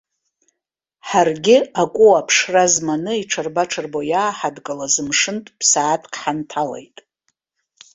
Ҳаргьы, акәуа аԥшра зманы, иҽырба-ҽырбо иааҳадгылаз, мшынтә ԥсаатәк ҳанҭалеит.